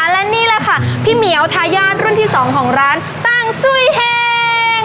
และนี่แหละค่ะพี่เหมียวทายาทรุ่นที่๒ของร้านตั้งซุ้ยแห้ง